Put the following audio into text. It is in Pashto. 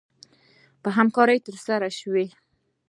په همکارۍ ترسره شوې